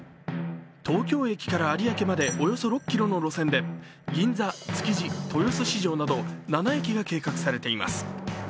東京駅から有明までおよそ６ｋｍの路線で銀座、築地、豊洲市場など７駅が計画されています。